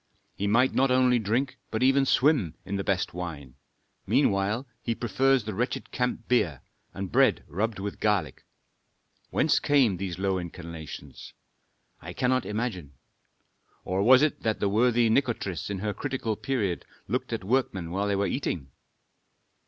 He might not only drink but even swim in the best wine; meanwhile he prefers the wretched camp beer, and bread rubbed with garlic. Whence came these low inclinations? I cannot imagine. Or was it that the worthy Nikotris in her critical period looked at workmen while they were eating?